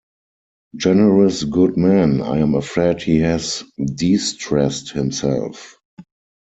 Generous, good man, I am afraid he has distressed himself.